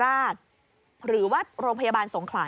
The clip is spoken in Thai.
แล้วจะส่งศพของนายบรรจงศ์เนี่ยไปตรวจชนะสูตรที่โรงพยาบาลมหาราช